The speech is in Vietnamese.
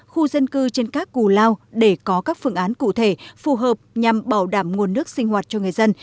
khu dân cư trên các cù lao để có các phương án cụ thể phù hợp nhằm bảo đảm nguồn nước sinh hoạt cho người dân